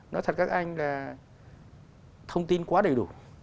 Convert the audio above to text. nói thật các anh là thông tin quá đầy đủ